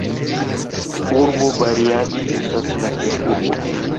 Urbo Bariadi estas la ĉefurbo.